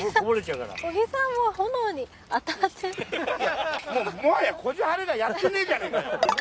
うもはやこじはるがやってねえじゃねえかよ。